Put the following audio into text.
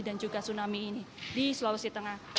dan juga tsunami ini di sulawesi tengah